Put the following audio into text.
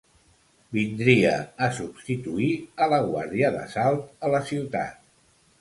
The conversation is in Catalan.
Vindria a substituir a la Guàrdia d'Assalt a la ciutat.